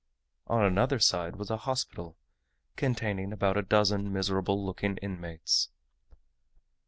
On another side was a hospital, containing about a dozen miserable looking inmates.